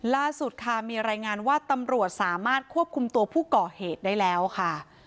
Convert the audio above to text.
ล่าสุดค่ะมีรายงานว่าตำรวจสามารถควบคุมตัวผู้ก่อเหตุได้แล้วค่ะ